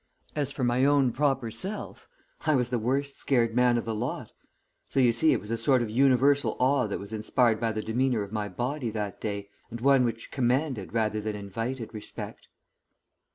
As for my own proper self, I was the worst scared man of the lot; so, you see, it was a sort of universal awe that was inspired by the demeanour of my body that day, and one which commanded rather than invited respect."